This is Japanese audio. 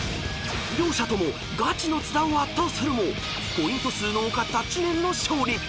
［両者ともガチの津田を圧倒するもポイント数の多かった知念の勝利］